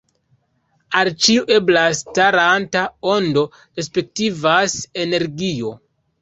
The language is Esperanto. Al ĉiu ebla staranta ondo respektivas energio.